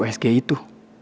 ah mungkin perasaan aku